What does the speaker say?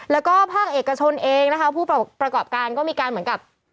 แล้วก็ภาคเอกชนเองนะคะ